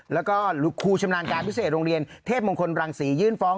แล้วก็ครูชำนาญการพิเศษโรงเรียนเทพมงคลรังศรียื่นฟ้อง